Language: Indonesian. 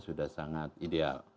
sudah sangat ideal